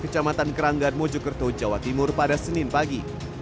kecamatan keranggan mojokerto jawa timur pada senin pagi